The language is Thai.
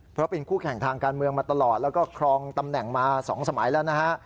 เพราะเป็นคู่แข่งทางการเมืองมาตลอดแล้วก็ครองตำแหน่งมา๒สมัยแล้วนะฮะ